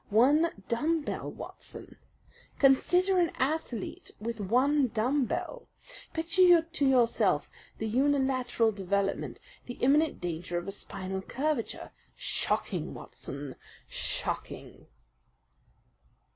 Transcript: One dumb bell, Watson! Consider an athlete with one dumb bell! Picture to yourself the unilateral development, the imminent danger of a spinal curvature. Shocking, Watson, shocking!"